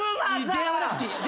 出会わなくていい。